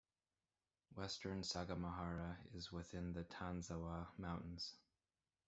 Western Sagamihara is within the Tanzawa Mountains.